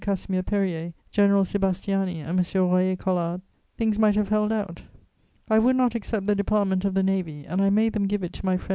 Casimir Périer, General Sébastiani and M. Royer Collard, things might have held out. I would not accept the department of the Navy and I made them give it to my friend M.